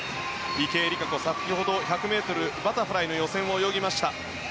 池江璃花子、先ほど１００ｍバタフライの予選を泳ぎました。